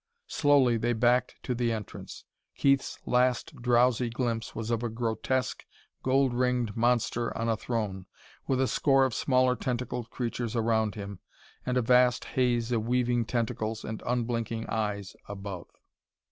Slowly they backed to the entrance. Keith's last drowsy glimpse was of a grotesque, gold ringed monster on a throne, with a score of smaller tentacled creatures around him, and a vast haze of weaving tentacles and unblinking eyes above.